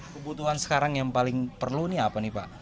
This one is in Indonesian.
kebutuhan sekarang yang paling perlu ini apa nih pak